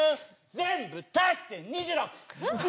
全部足して２６！